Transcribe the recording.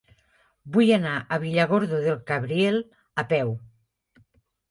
Vull anar a Villargordo del Cabriel a peu.